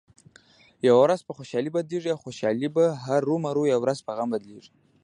یوه ورځ په خوشحالۍ بدلېږي او خوشحالي به هرومرو یوه ورځ په غم بدلېږې.